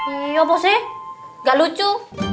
iya apa sih gak lucu